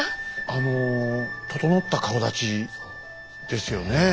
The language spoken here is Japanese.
あの整った顔だちですよね。